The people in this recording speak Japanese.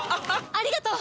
ありがとう！